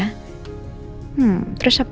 hmm terus apa lagi ya